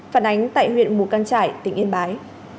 phản ánh tại huyện mù căng trải tỉnh yên bái